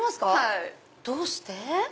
どうして？